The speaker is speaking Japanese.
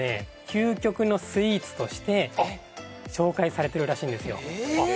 究極のスイーツとして紹介されてるらしいんですよあっ